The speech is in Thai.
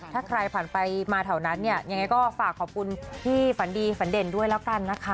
ถ้าใครผ่านไปมาแถวนั้นเนี่ยยังไงก็ฝากขอบคุณพี่ฝันดีฝันเด่นด้วยแล้วกันนะคะ